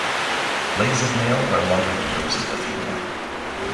Legs of male are longer than those of the female.